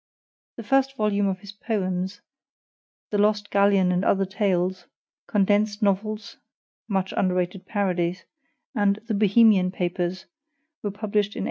The first volume of his poems, THE LOST GALLEON AND OTHER TALES, CONDENSED NOVELS (much underrated parodies), and THE BOHEMIAN PAPERS were published in 1867.